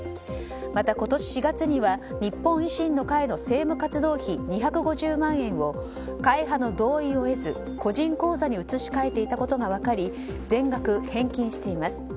また、今年４月には日本維新の会の政務活動費２５０万円を会派の同意を得ず個人口座に移し替えていたことが分かり全額返金しています。